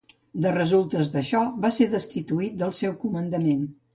De resultes d'això va ser destituït del seu comandament.